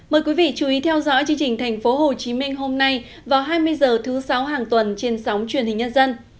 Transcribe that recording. mời quý vị chú ý theo dõi chương trình tp hcm hôm nay vào hai mươi h thứ sáu hàng tuần trên sóng truyền hình nhân dân